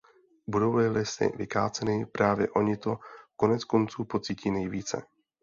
Budou-li lesy vykáceny, právě oni to koneckonců pocítí nejvíce.